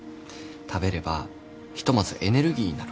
食べればひとまずエネルギーになるから。